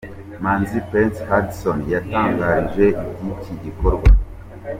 Manzi Prince Hudson yadutangarije iby'iki gikorwa.